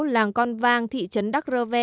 làng con vang thị trấn đắc rờ ve